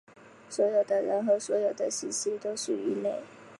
所有的人和所有的行星都属于类。